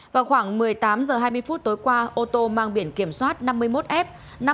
vào khoảng một mươi tám giờ hai mươi phút tối qua ô tô mang biển kiểm soát năm mươi một f